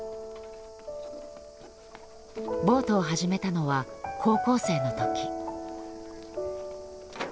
ボートを始めたのは高校生の時。